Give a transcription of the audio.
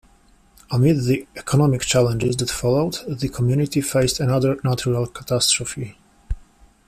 Amid the economic challenges that followed, the community faced another natural catastrophe.